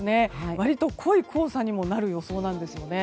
割と濃い黄砂になる予想なんですよね。